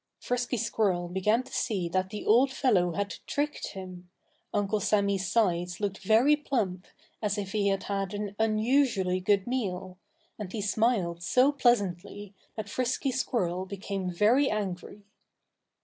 Frisky Squirrel began to see that the old fellow had tricked him. Uncle Sammy's sides looked very plump, as if he had had an unusually good meal. And he smiled so pleasantly that Frisky Squirrel became very angry.